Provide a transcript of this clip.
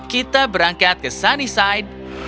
kita berangkat ke sunnyside